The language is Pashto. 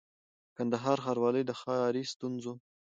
کندهار ښاروالۍ د ښاري ستونزو